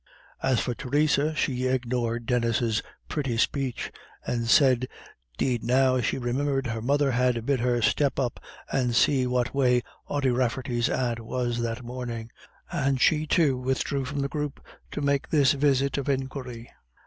As for Theresa, she ignored Denis's pretty speech, and said 'deed now she remembered her mother had bid her step up and see what way Ody Rafferty's aunt was that morning. And she, too, withdrew from the group to make this visit of inquiry.